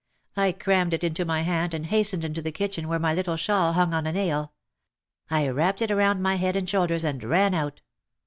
I crammed it into my hand and hastened into the kitchen where my little shawl hung on a nail. I wrapped it around my head and shoulders and ran out.